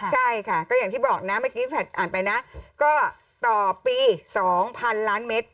ใช่ค่ะก็อย่างที่บอกนะเมื่อกี้อ่านไปนะก็ต่อปี๒๐๐๐ล้านเมตร